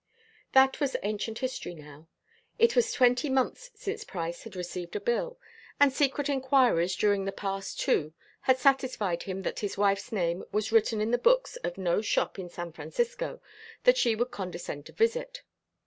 That was ancient history now. It was twenty months since Price had received a bill, and secret inquiries during the past two had satisfied him that his wife's name was written in the books of no shop in San Francisco that she would condescend to visit.